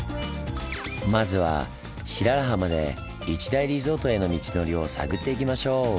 まずは白良浜で一大リゾートへの道のりを探っていきましょう！